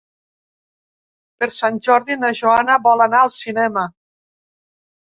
Per Sant Jordi na Joana vol anar al cinema.